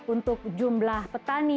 untuk jumlah petani